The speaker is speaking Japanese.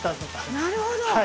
なるほど！